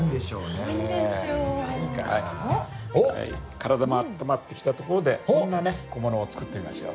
体もあったまってきたところでこんな小物を作ってみましょう。